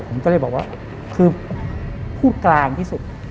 ผมก็เลยบอกว่าคือพูดกลางที่สุด